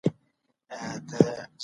نظري پوهه موږ ته نوې لارې ښیي.